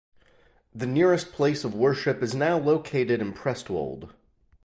The nearest place of worship is now located in Prestwold.